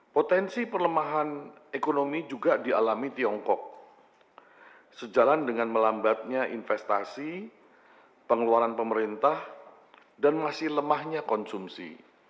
potensi perlemahan ekonomi juga dialami tiongkok sejalan dengan melambatnya investasi pengeluaran pemerintah dan masih lemahnya konsumsi